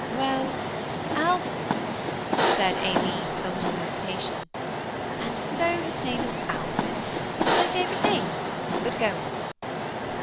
"Well, Alfred–" said Aileen, with a little hesitation. "And so his name is Alfred–one of my favourite names; but go on."